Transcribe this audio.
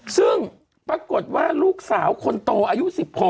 ซึ่งปรากฏว่าลูกสาวคนโตอายุ๑๖